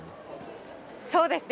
そうですね。